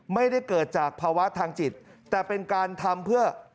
ไม่ได้เกิดจากภาวะทางจิตแต่เป็นการทำเพื่อ